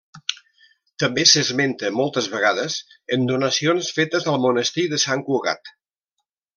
També s'esmenta moltes vegades en donacions fetes al Monestir de Sant Cugat.